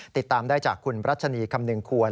ติดตามได้จากคุณรัชนีคำนึงควร